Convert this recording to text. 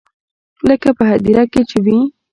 لکه په هديره کښې چې وي.